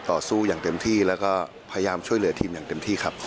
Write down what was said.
ต่อสู้อย่างเต็มที่แล้วก็พยายามช่วยเหลือทีมอย่างเต็มที่ครับ